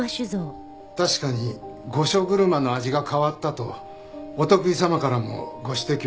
確かに御所車の味が変わったとお得意様からもご指摘は受けてます。